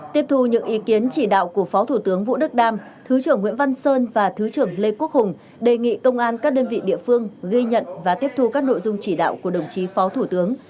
tiếp thu những ý kiến chỉ đạo của phó thủ tướng vũ đức đam thứ trưởng nguyễn văn sơn và thứ trưởng lê quốc hùng đề nghị công an các đơn vị địa phương ghi nhận và tiếp thu các nội dung chỉ đạo của đồng chí phó thủ tướng